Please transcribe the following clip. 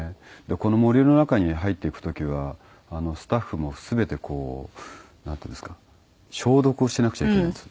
この森の中に入っていく時はスタッフも全てこうなんていうんですか消毒をしなくちゃいけないんです。